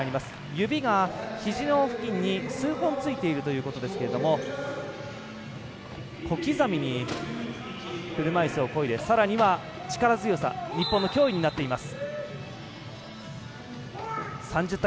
指がひじの付近に数本ついているということですが小刻みに車いすを、こいでさらには力強さ日本の脅威になっています。